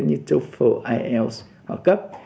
như toefl ielts họ cấp